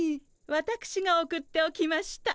わたくしが送っておきました。